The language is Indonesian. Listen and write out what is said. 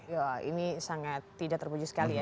ya ini sangat tidak terpuji sekali ya